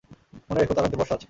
মনে রেখ, তার হাতে বর্শা আছে।